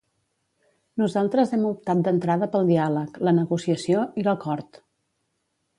Nosaltres hem optat d’entrada pel diàleg, la negociació i l’acord.